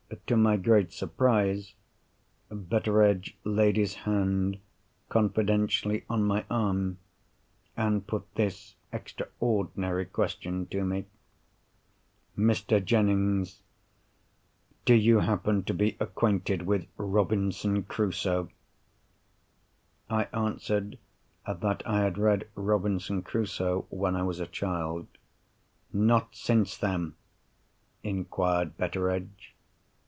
To my great surprise, Betteredge laid his hand confidentially on my arm, and put this extraordinary question to me: "Mr. Jennings, do you happen to be acquainted with Robinson Crusoe?" I answered that I had read Robinson Crusoe when I was a child. "Not since then?" inquired Betteredge.